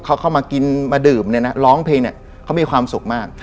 เขาเข้ามากินมาดื่มร้องเพลงเขามีความสุขมาก